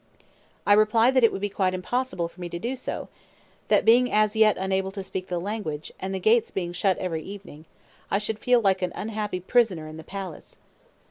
I replied that it would be quite impossible for me to do so; that, being as yet unable to speak the language, and the gates being shut every evening, I should feel like an unhappy prisoner in the palace.